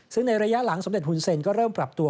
ซึ่งในระยะหลังสมเด็จหุ่นเซ็นก็เริ่มปรับตัว